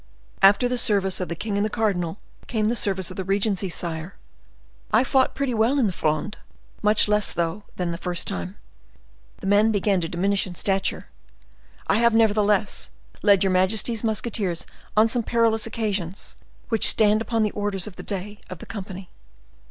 "After the service of the king and the cardinal, came the service of the regency, sire; I fought pretty well in the Fronde—much less, though, than the first time. The men began to diminish in stature. I have, nevertheless, led your majesty's musketeers on some perilous occasions, which stand upon the orders of the day of the company.